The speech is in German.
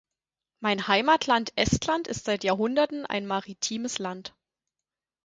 Mein Heimatland Estland ist seit Jahrhunderten ein maritimes Land.